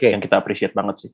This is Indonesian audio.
yang kita appreciate banget sih